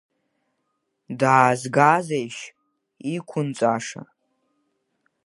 Даазгазеишь, иқәынҵәаша?